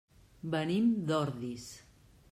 Venim d'Ordis.